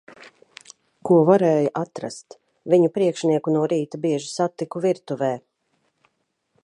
Ko varēja atrast. Viņu priekšnieku no rīta bieži satiku virtuvē.